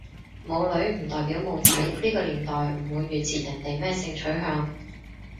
冇女唔代表冇仔，呢個年代唔會預設人哋咩性取向